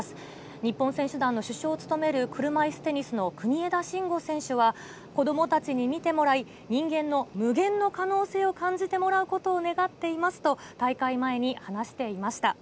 日本選手団の主将を務める車いすテニスの国枝慎吾選手は、子どもたちに見てもらい、人間の無限の可能性を感じてもらうことを願っていますと、大会前に話していました。